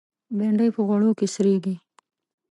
بېنډۍ په غوړ کې سرېږي